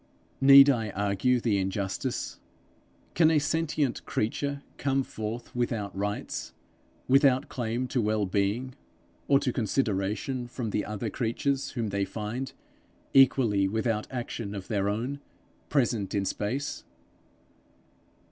Need I argue the injustice? Can a sentient creature come forth without rights, without claim to well being, or to consideration from the other creatures whom they find, equally without action of their own, present in space?